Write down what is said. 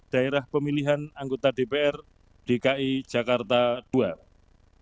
daerah pemilihan anggota dpr dki jakarta ii